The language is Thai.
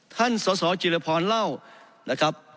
สสจิรพรเล่านะครับ